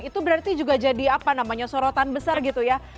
itu berarti juga jadi apa namanya sorotan besar gitu ya